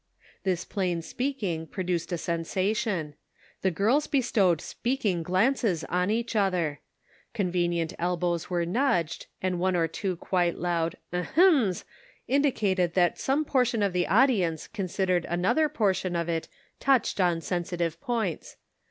This plain speaking produced a sensation. The girls bestowed speaking glances on each other ; convenient elbows were nudged, and one or two quite loud " ahems " indicated that some portion of the audience considered another portion of it touched on sensitive points.